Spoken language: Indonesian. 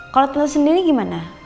kalo tante sendiri gimana